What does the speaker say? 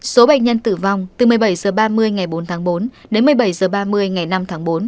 số bệnh nhân tử vong từ một mươi bảy h ba mươi ngày bốn tháng bốn đến một mươi bảy h ba mươi ngày năm tháng bốn